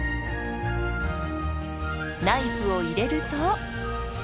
ナイフを入れると。